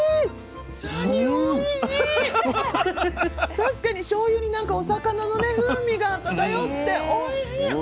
確かにしょうゆになんかお魚の風味が漂っておいしい。